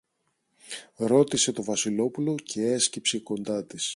ρώτησε το Βασιλόπουλο κι έσκυψε κοντά της.